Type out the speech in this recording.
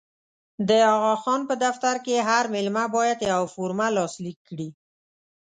د اغا خان په دفتر کې هر مېلمه باید یوه فورمه لاسلیک کړي.